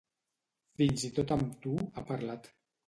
Fins i tot amb tu, ha parlat.